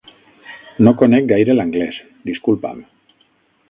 No conec gaire l'anglés, disculpa'm.